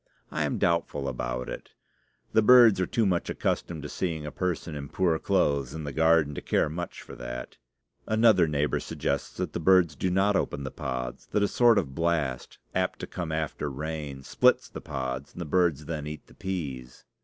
I am doubtful about it; the birds are too much accustomed to seeing a person in poor clothes in the garden to care much for that. Another neighbor suggests that the birds do not open the pods; that a sort of blast, apt to come after rain, splits the pods, and the birds then eat the peas.